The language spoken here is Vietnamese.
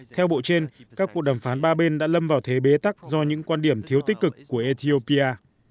theo bộ trên các cuộc đàm phán ba bên đã lâm vào thế bế tắc do những quan điểm thiếu tích cực của ethiopia